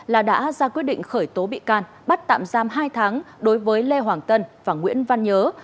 là đã ra quyết định khởi tố bị can bắt tạm giam hai tháng đối với lê hoàng tân và nguyễn văn nhớ